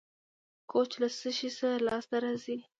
کوچ له څه شي لاسته راځي؟